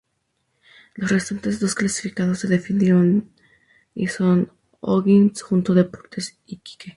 Los restantes dos clasificados se definieron y son O'Higgins junto a Deportes Iquique.